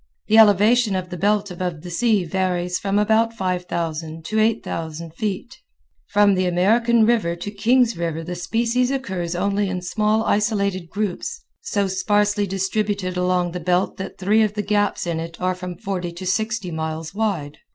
The elevation of the belt above the sea varies from about 5000 to 8000 feet. From the American River to Kings River the species occurs only in small isolated groups so sparsely distributed along the belt that three of the gaps in it are from forty to sixty miles wide.